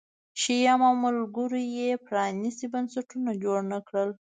شیام او ملګرو یې پرانیستي بنسټونه جوړ نه کړل